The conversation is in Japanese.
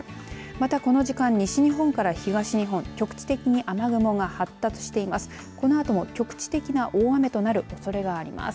また、この時間西日本から東日本局地的に雨雲が発達しています。